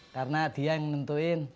karena dia yang nentuin